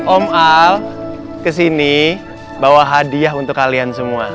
om al kesini bawa hadiah untuk kalian semua